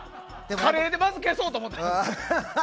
カレーでまず消そうと思ってます。